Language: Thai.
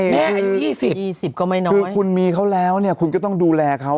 อายุ๒๐ก็ไม่น้อยคือคุณมีเขาแล้วเนี่ยคุณก็ต้องดูแลเขา